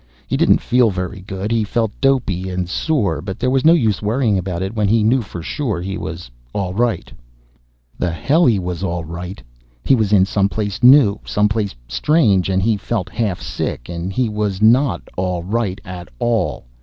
He didn't feel very good, he felt dopey and sore, but there was no use worrying about it when he knew for sure he was all right The hell he was all right! He was in someplace new, someplace strange, and he felt half sick and he was not all right at all.